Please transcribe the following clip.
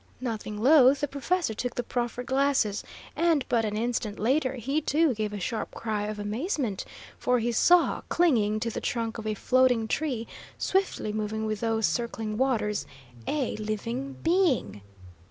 Nothing loath, the professor took the proffered glasses, and but an instant later he, too, gave a sharp cry of amazement, for he saw, clinging to the trunk of a floating tree, swiftly moving with those circling waters, a living being!